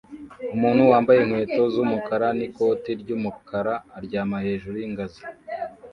Umuntu wambaye inkweto z'umukara n'ikoti ry'umukara aryama hejuru y'ingazi